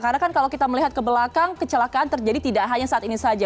karena kan kalau kita melihat ke belakang kecelakaan terjadi tidak hanya saat ini saja